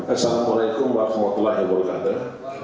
assalamu'alaikum warahmatullahi wabarakatuh